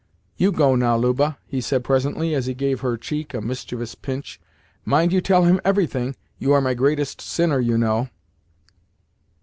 "YOU go now, Luba," he said presently, as he gave her cheek a mischievous pinch. "Mind you tell him everything. You are my greatest sinner, you know."